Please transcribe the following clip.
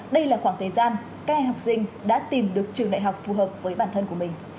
đây là khoảng thời gian các em học sinh đã tìm được trường đại học phù hợp với bản thân của mình